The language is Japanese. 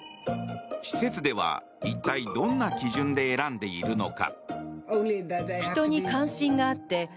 施設では、一体どんな基準で選んでいるのか？